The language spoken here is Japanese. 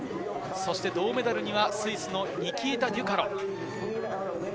銅メダルにはスイスのニキータ・デュカロ。